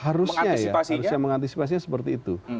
harusnya ya harusnya mengantisipasinya seperti itu